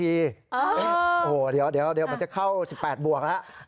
ฮะอะไรคุณหมายถึงอะไรล่างทีเดี๋ยวมันจะเข้า๑๘บวกล่ะ